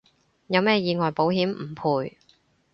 有咩意外保險唔賠